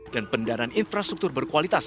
dan pendanaan infrastruktur berkualitas